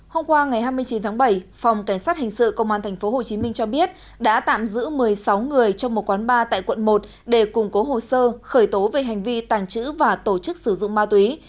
hôm qua ngày hai mươi chín tháng bảy phòng cảnh sát hình sự công an tp hcm cho biết đã tạm giữ một mươi sáu người trong một quán bar tại quận một để củng cố hồ sơ khởi tố về hành vi tàng trữ và tổ chức sử dụng ma túy